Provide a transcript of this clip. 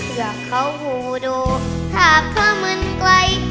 เพื่อเขาหูโดถาบข้ามืนไกล